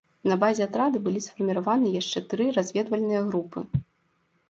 На базе атрада былі сфарміраваны яшчэ тры разведвальныя групы.